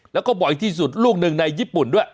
แล้วก็บ่อยที่สุดลูกหนึ่งในญี่ปุ่นด้วย